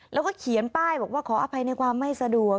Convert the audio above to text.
แล้วก็เขียนป้ายบอกว่าขออภัยในความไม่สะดวก